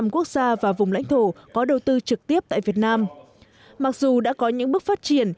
một trăm linh năm quốc gia và vùng lãnh thổ có đầu tư trực tiếp tại việt nam mặc dù đã có những bước phát triển